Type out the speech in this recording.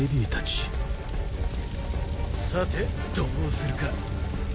さてどうするか。